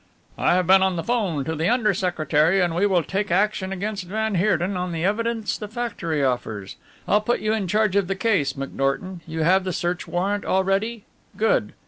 "I have been on the 'phone to the Under Secretary, and we will take action against van Heerden on the evidence the factory offers. I'll put you in charge of the case, McNorton, you have the search warrant already? Good!"